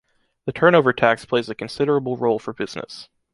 The turnover tax plays a considerable role for business.